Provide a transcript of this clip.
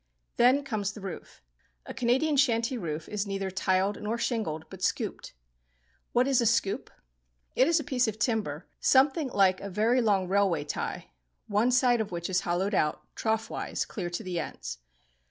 Then comes the roof. A Canadian shanty roof is neither tiled nor shingled, but "scooped." What is a "scoop"? It is a piece of timber something like a very long railway tie, one side of which is hollowed out, trough wise, clear to the ends.